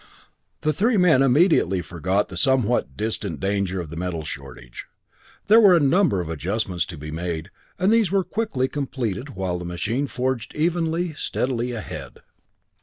The three men immediately forgot the somewhat distant danger of the metal shortage. There were a number of adjustments to be made, and these were quickly completed, while the machine forged evenly, steadily ahead.